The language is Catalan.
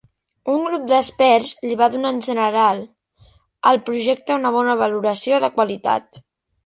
Un grup d'experts li va donar, en general, al projecte una bona valoració de qualitat.